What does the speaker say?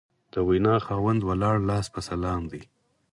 د وینا خاوند ولاړ لاس په سلام دی